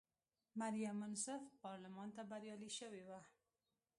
مریم منصف پارلمان ته بریالی شوې وه.